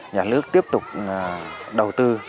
nhà nước tiếp tục đầu tư